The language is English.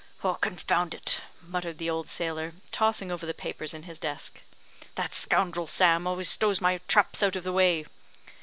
"Confound it!" muttered the old sailor, tossing over the papers in his desk; "that scoundrel, Sam, always stows my traps out of the way."